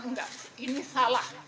enggak ini salah